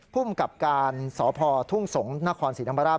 ภูมิกับการสพทุ่งสงศ์นครศรีธรรมราช